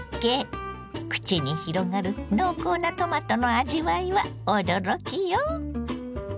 口に広がる濃厚なトマトの味わいは驚きよ。